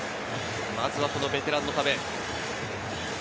まずはベテランの壁。